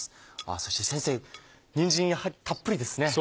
そして先生にんじんやはりたっぷりですね。